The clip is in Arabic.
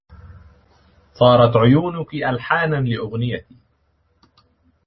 صارت عيونُكِ ألحاناً لأغنيتي